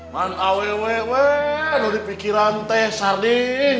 man aww lo dipikiran teh sarding